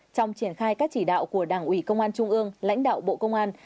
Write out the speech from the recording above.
trong triển khai các chỉ đạo của đảng ủy công an trung ương lãnh đạo bộ công an